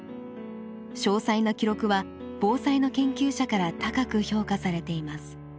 詳細な記録は防災の研究者から高く評価されています。